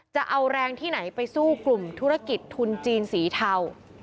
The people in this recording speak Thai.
จะเอาแรงที่ไหนไปสู้กลุ่มธุรกิจทุนจีนสีเทา